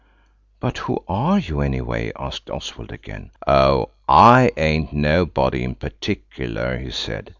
"But who are you, anyway!" asked Oswald again. "Oh, I ain't nobody in particular," he said.